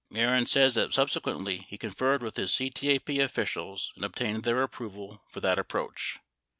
95 Mehren says that subsequently he conferred with his CTAPE officials and obtained their approval for that approach.